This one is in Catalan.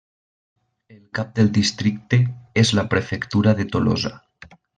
El cap del districte és la prefectura de Tolosa.